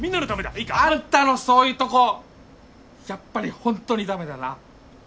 いいか。あんたのそういうとこやっぱりほんとにダメだな。